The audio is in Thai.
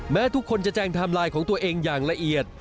ทุกคนจะแจ้งไทม์ไลน์ของตัวเองอย่างละเอียด